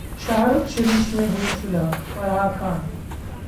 शाहरुख-शिरीष में हुई सुलहः फराह खान